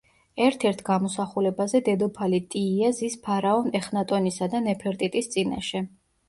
ერთ-ერთ გამოსახულებაზე დედოფალი ტიია ზის ფარაონ ეხნატონისა და ნეფერტიტის წინაშე.